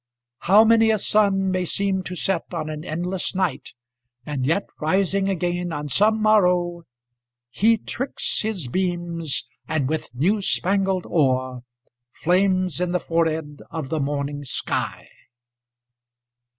How many a sun may seem to set on an endless night, and yet rising again on some morrow "He tricks his beams, and with new spangled ore Flames in the forehead of the morning sky!"